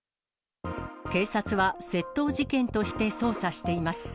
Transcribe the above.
警察は窃盗事件として捜査しています。